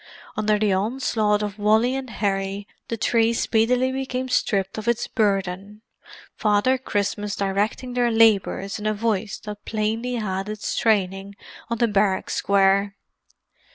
Under the onslaught of Wally and Harry the tree speedily became stripped of its burden; Father Christmas directing their labours in a voice that plainly had its training on the barrack square.